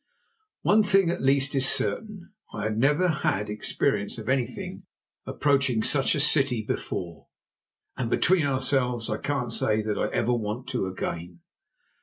One thing at least is certain, I had never had experience of anything approaching such a city before, and, between ourselves, I can't say that I ever want to again.